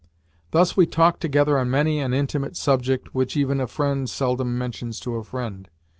Thus we talked together on many an intimate subject which even a friend seldom mentions to a friend.